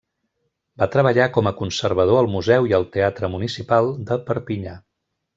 Va treballar com a conservador al museu i al teatre municipal de Perpinyà.